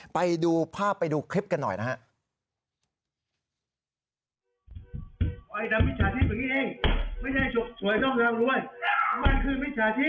ไปดูภาพไปดูคลิปกันหน่อยนะฮะ